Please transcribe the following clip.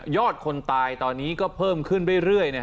อดคนตายตอนนี้ก็เพิ่มขึ้นเรื่อย